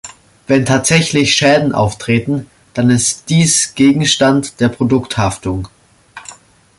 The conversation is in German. Wenn tatsächlich Schäden auftreten, dann ist dies Gegenstand der Produkthaftung.